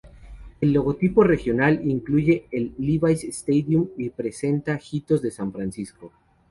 El logotipo regional incluye el Levi's Stadium y presenta hitos de San Francisco.